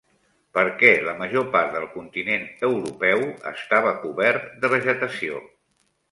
Per què la major part del continent europeu estava cobert de vegetació?